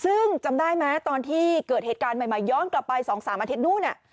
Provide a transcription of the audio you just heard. ซึ่งจำได้ไหมตอนที่เกิดเหตุการณ์ใหม่ย้อนกลับไป๒๓อาทิตยนู่น